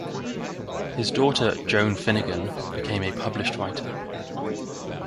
His daughter Joan Finnigan became a published writer.